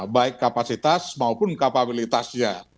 baik kapasitas maupun kapabilitasnya